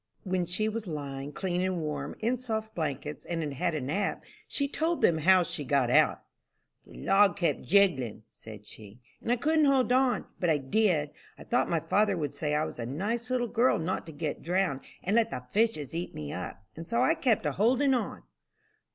When she was lying, clean and warm, in soft blankets, and had had a nap, she told them how she got out. "The log kept jiggling," said she, "and I couldn't hold on, but I did. I thought my father would say I was a nice little girl not to get drowned, and let the fishes eat me up, and so I kept a holdin' on."